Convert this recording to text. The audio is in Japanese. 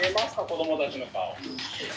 子どもたちの顔。